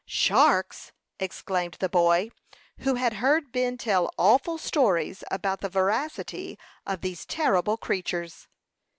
"Sharks!" exclaimed the boy, who had heard Ben tell awful stories about the voracity of these terrible creatures.